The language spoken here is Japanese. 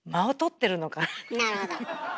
なるほど。